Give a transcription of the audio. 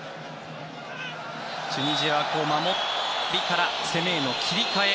チュニジアは守りから攻めへの切り替え。